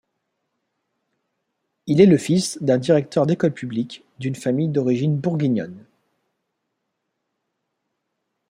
Il est le fils d'un directeur d'école publique, d'une famille d'origine bourguignonne.